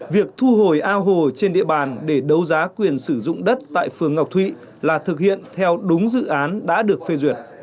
việc thu hồi ao hồ trên địa bàn để đấu giá quyền sử dụng đất tại phường ngọc thụy là thực hiện theo đúng dự án đã được phê duyệt